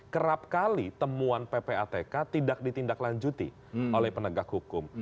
kerap kali temuan ppatk tidak ditindaklanjuti oleh penegak hukum